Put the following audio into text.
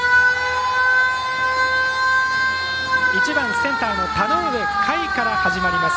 １番センターの田上夏衣から始まります